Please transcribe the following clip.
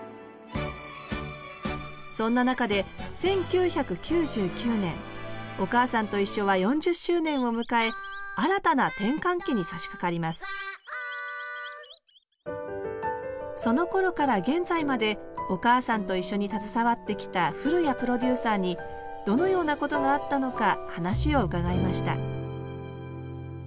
そんな中で１９９９年「おかあさんといっしょ」は４０周年を迎え新たな転換期にさしかかりますそのころから現在まで「おかあさんといっしょ」に携わってきた古屋プロデューサーにどのようなことがあったのか話を伺いました